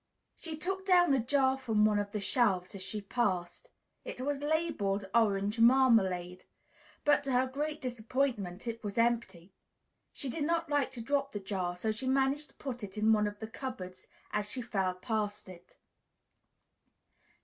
She took down a jar from one of the shelves as she passed. It was labeled "ORANGE MARMALADE," but, to her great disappointment, it was empty; she did not like to drop the jar, so managed to put it into one of the cupboards as she fell past it.